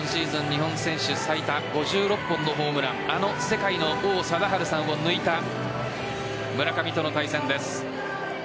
日本選手最多５６本のホームランあの世界の王貞治さんを抜いた村上との対戦です。